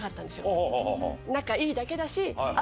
仲いいだけだし。